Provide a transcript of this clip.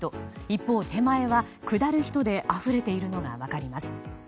一方、手前は下る人であふれているのが分かります。